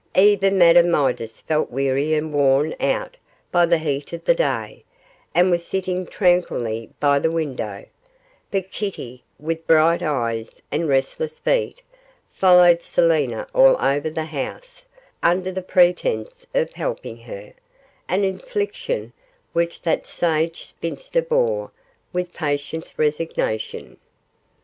Even Madame Midas felt weary and worn out by the heat of the day, and was sitting tranquilly by the window; but Kitty, with bright eyes and restless feet, followed Selina all over the house, under the pretence of helping her, an infliction which that sage spinster bore with patient resignation.